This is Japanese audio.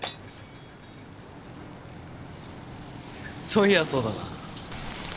そういやそうだな。